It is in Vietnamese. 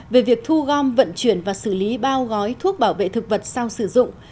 về việc thu gom vận chuyển và xử lý bao gói thuốc bảo vệ thực vật sau sử dụng